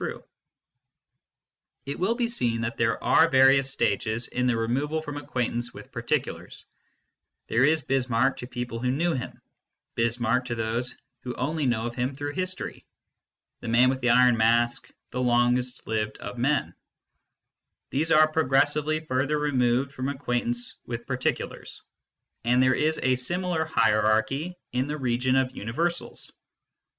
KNOWLEDGE BY ACQUAINTANCE 219 It will be seen that there are various stages in the removal from acquaintance with particulars : there is Bismarck to people who knew him/Bismarck to those who only know of him through history K the man with the iron mask, the longest lived of men^ ^Tfiese are progres sively further removed from acquaintance with particulars, and there is a similar hierarchy in the region of universals.